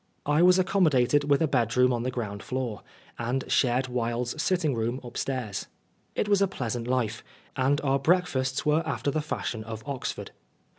I was accommo dated with a bedroom on the ground floor, and shared Wilde's sitting room upstairs. It was a pleasant life, and our breakfasts were after the fashion of Oxford.